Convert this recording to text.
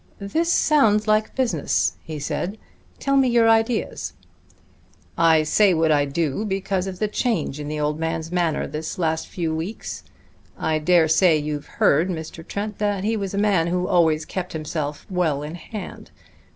"This sounds like business," he said. "Tell me your ideas." "I say what I do because of the change in the old man's manner this last few weeks. I dare say you have heard, Mr. Trent, that he was a man who always kept himself well in hand.